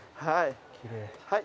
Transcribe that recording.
はい。